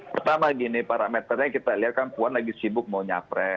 pertama gini parameternya kita lihat kan puan lagi sibuk mau nyapres